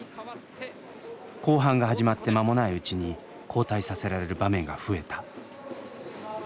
後半が始まって間もないうちに交代させられる場面が増えた。